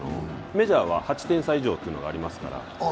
メジャーは８点差以上というのがありますから。